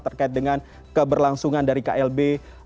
terkait dengan keberlangsungan dari klb